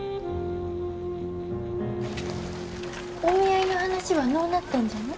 お見合いの話はのうなったんじゃね？